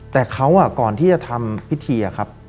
แต่เขาก่อนที่จะทำพิธีครับ